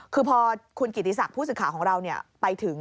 คือพอคุณกิติศักดิ์ผู้สื่อข่าวของเราไปถึง